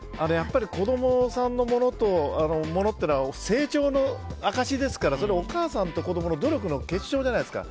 子供さんのものは成長の証しですからそれはお母さんと子供の努力の結晶じゃないですか。